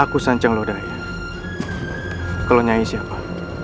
kalau nyai siapa